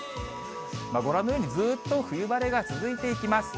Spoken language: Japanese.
ご覧のように、ずっと冬晴れが続いていきます。